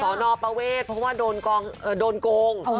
นประเวทเพราะว่าโดนโกง